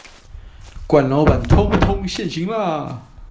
慣老闆通通現形啦